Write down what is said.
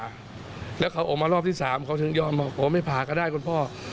เขาก็ออกมารอบที่๓เขายอดบอกผมไม่ผ่าก็ได้คุณพ่อ